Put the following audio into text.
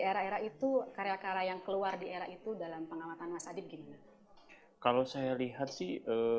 era era itu karya karya yang keluar di era itu dalam pengamatan mas adit gimana kalau saya lihat sih